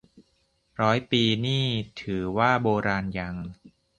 ร้อยปีนี่ถือว่าโบราณยัง